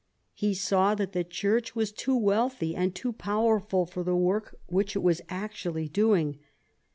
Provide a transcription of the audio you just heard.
He saw that the Church was too wealthy and too powerful for the work which it was actually doing.